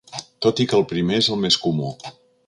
Tot i que el primer és el més comú.